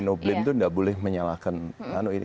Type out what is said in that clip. no blame itu tidak boleh menyalahkan